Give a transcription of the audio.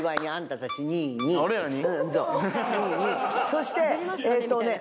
そして。